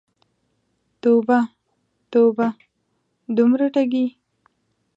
توبه، توبه، دومره ټګې!